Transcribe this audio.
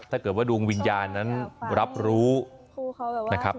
ถ้าเกิดว่าดวงวิญญาณนั้นรับรู้นะครับ